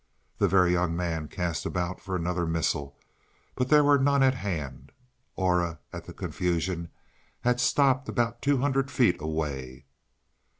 The Very Young Man cast about for another missile, but there were none at hand. Aura, at the confusion, had stopped about two hundred feet away.